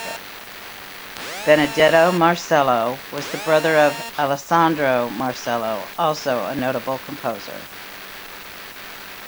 Benedetto Marcello was the brother of Alessandro Marcello, also a notable composer.